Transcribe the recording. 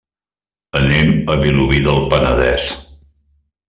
Anem a Vilobí del Penedès.